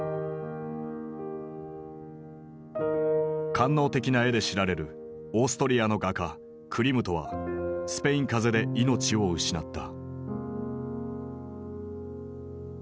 官能的な絵で知られるオーストリアの画家クリムトはスペイン風邪で命を失った。